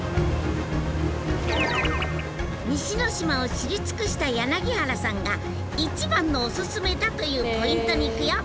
西ノ島を知り尽くした柳原さんが一番のおすすめだというポイントに行くよ。